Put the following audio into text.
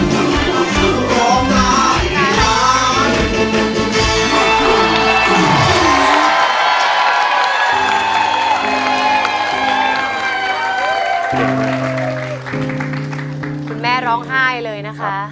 คุณแม่ร้องไห้เลยนะคะ